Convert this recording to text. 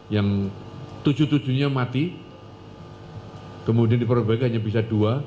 yang tujuh tujuh nya mati kemudian diperbaiki hanya bisa dua